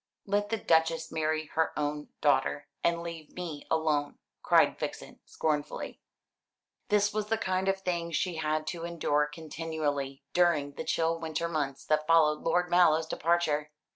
"Let the Duchess marry her own daughter, and leave me alone," cried Vixen scornfully. This was the kind of thing she had to endure continually during the chill winter months that followed Lord Mallow's departure.